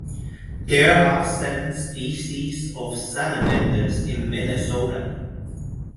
There are seven species of Salamanders in Minnesota.